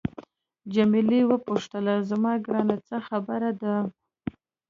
جميله وپوښتل زما ګرانه څه خبره ده.